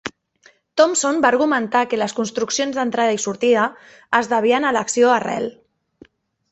Thompson va argumentar que les construccions "d'entrada i sortida" es devien a l'acció arrel.